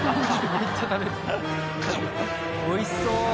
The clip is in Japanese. おいしそう！